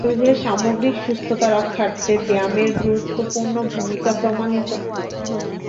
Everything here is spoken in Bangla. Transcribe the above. শরীরের সামগ্রিক সুস্থতা রক্ষার্থে ব্যায়ামের গুরুত্বপূর্ণ ভূমিকা প্রমাণিত।